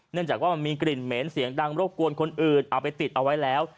จากว่ามันมีกลิ่นเหม็นเสียงดังรบกวนคนอื่นเอาไปติดเอาไว้แล้ว